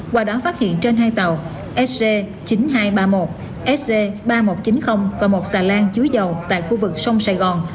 qua đó phát hiện trên hai tàu sg chín nghìn hai trăm ba mươi một sg ba nghìn một trăm chín mươi và một xà lan chứa dầu tại khu vực sông sài gòn